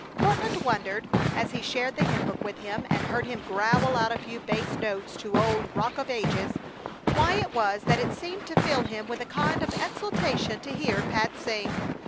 Courtland wondered, as he shared the hymn book with him and heard him growl out a few bass notes to old "Rock of Ages," why it was that it seemed to fill him with a kind of exaltation to hear Pat sing.